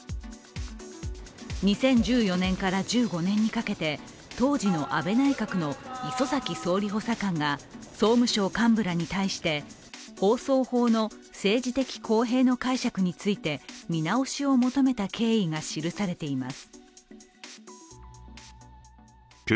２０１４年から１５年にかけて、当時の安倍内閣の礒崎総理補佐官が総務省幹部らに対して、放送法の政治的公平の解釈について見直しを求めた経緯が記されています。